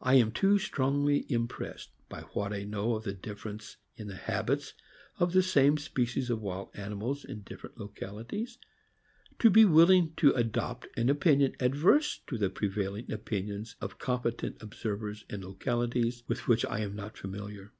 I am too strongly impressed by what I know of the difference in the habits of the same species of wild animals in different localities, to be willing to adopt an opinion adverse to the prevailing opinions of competent observers in localities with which I am not familiar.